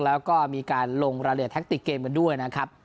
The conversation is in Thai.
แล้วก็มีการลงรายละเอียดแท็กติกเกมกันด้วยนะครับ